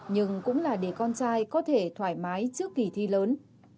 nhưng cũng là để con trai có thể thoải mái trước kỳ thi lớn